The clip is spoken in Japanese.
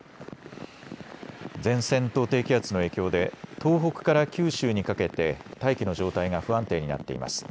前線と低気圧の影響で東北から九州にかけて大気の状態が不安定になっています。